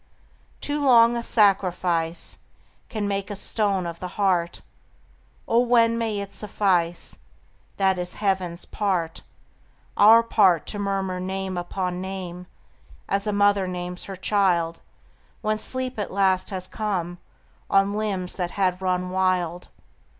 Too long a sacrifice Can make a stone of the heart. O when may it suffice? That is heaven's part, our part To murmur name upon name, As a mother names her child When sleep at last has come On limbs that had run wild.